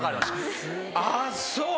ああそう。